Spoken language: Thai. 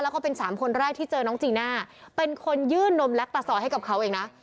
แล้วก็เป็นสามคนแรกที่เจอน้องจีน่าเป็นคนยื่นนมแล็กตาซอยให้กับเขาเองนะ